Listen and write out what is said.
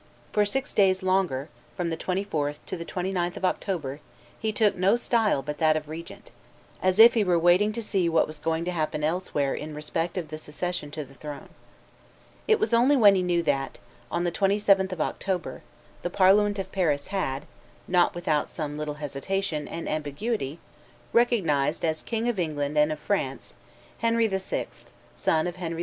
For six days longer, from the 24th to the 29th of October, he took no style but that of regent, as if he were waiting to see what was going to happen elsewhere in respect of the succession to the throne. It was only when he knew that, on the 27th of October, the parliament of Paris had, not without some little hesitation and ambiguity, recognized "as King of England and of France, Henry VI., son of Henry V.